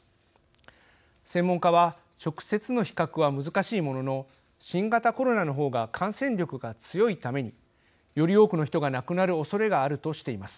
専門家は直接の比較は難しいものの新型コロナの方が感染力が強いためにより多くの人が亡くなるおそれがあるとしています。